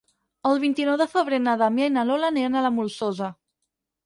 El vint-i-nou de febrer na Damià i na Lola aniran a la Molsosa.